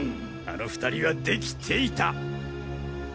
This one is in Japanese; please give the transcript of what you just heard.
あの２人はデキていた。